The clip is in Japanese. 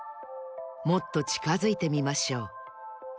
もっとちかづいてみましょう。